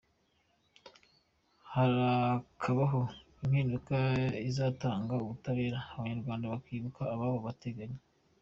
Harakabaho impinduka izatanga ubutabera abanyarwanda bakibuka ababo batekanye